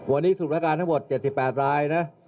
วันนี้สูบประการทั้งหมด๗๘รายนะ